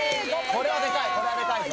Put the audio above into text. これはでかいぞ。